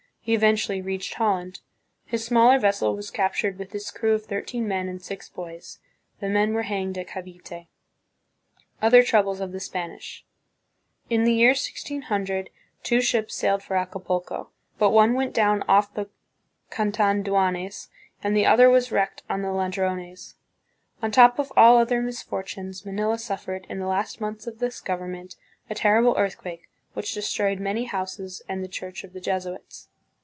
He eventually reached Holland. His smaller vessel was captured with its crew of thirteen men and six boys. The men were hanged at Cavite. 1 Other Troubles of the Spanish. In the year 1600, two ships sailed for Acapulco, but one went down off the Catanduanes and the other was shipwrecked on the La drones. " On top of all other misfortunes, Manila suffered, in the last months of this government, a terrible earth quake, which destroyed many houses and the church of the Jesuits."